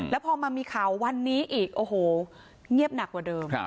แล้วพอมามีข่าววันนี้อีกโอ้โหเงียบหนักกว่าเดิม